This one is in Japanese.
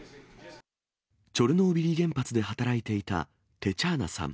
チョルノービリ原発で働いていたテチャーナさん。